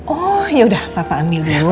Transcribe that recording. oh yaudah papa ambil dulu